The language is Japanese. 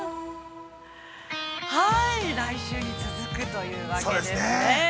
◆来週に続くというわけですね。